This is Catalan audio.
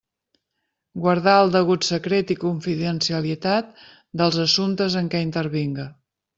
Guardar el degut secret i confidencialitat dels assumptes en què intervinga.